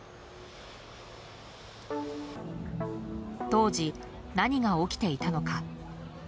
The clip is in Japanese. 当時、何が起きていたのか。